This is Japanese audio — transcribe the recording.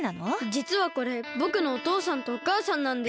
じつはこれぼくのおとうさんとおかあさんなんです。